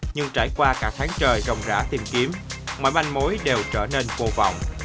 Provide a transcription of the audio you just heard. nhưng trải qua cả tháng trời rộng rã tìm kiếm mọi manh mối đều trở nên vô vọng